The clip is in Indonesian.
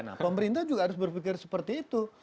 nah pemerintah juga harus berpikir seperti itu